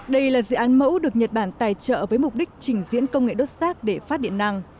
đây là dự án mẫu được nhật bản tài trợ với mục đích trình diễn công nghệ đốt xác để phát điện năng